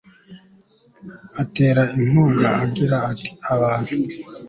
atera inkunga agira ati abantu